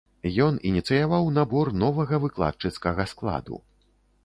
Ён ініцыяваў набор новага выкладчыцкага складу.